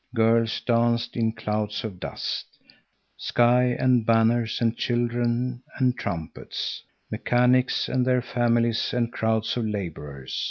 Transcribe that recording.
Girls danced in clouds of dust. Sky and banners and children and trumpets. Mechanics and their families and crowds of laborers.